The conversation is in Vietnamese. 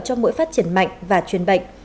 cho mũi phát triển mạnh và truyền bệnh